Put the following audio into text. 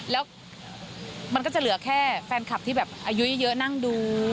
แล้วมันก็จะเหลือแค่แฟนคลับที่แบบอายุเยอะนั่งดู